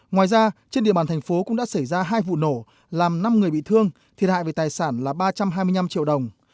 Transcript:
ngoài ra trên địa bàn thành phố cũng đã xảy ra hai vụ nổ làm năm người bị thương thiệt hại về tài sản là ba trăm hai mươi năm triệu đồng